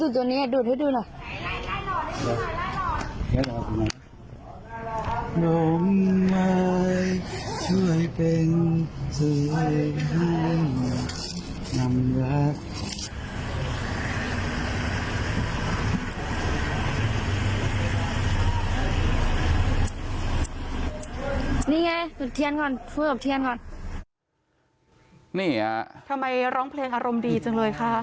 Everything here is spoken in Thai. นี่ฮะทำไมร้องเพลงอารมณ์ดีจังเลยคะ